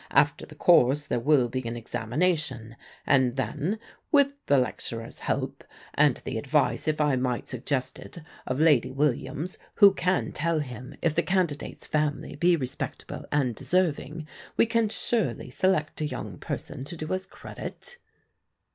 After the course there will be an examination; and then, with the lecturer's help and the advice, if I might suggest it, of Lady Williams, who can tell him if the candidate's family be respectable and deserving we can surely select a young person to do us credit."